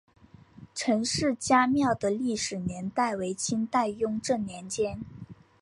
陈氏家庙的历史年代为清代雍正年间。